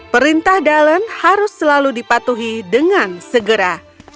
perintah dalen harus selalu dipatuhi dengan segera